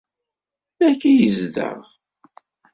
Dagi i yezdeɣ